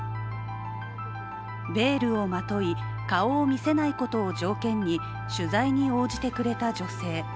ベールをまとい、顔を見せないことを条件に取材に応じてくれた女性。